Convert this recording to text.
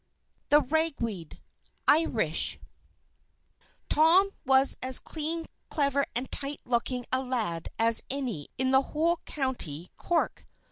THE RAGWEED From Ireland Tom was as clean, clever, and tight looking a lad as any in the whole county Cork.